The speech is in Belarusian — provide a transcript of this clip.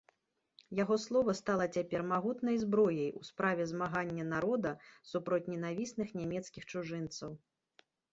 Яго слова стала цяпер магутнай зброяй у справе змагання народа супроць ненавісных нямецкіх чужынцаў.